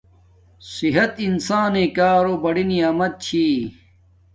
صحت انسان نݵ کارو بڑی نعمت چھی